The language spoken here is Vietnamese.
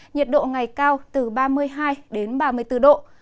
nhiệt độ ngày cao từ ba mươi hai đến ba mươi bốn độ